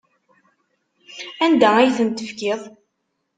Anda ay ten-tefkiḍ?